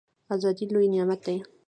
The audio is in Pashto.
ازادي لوی نعمت دی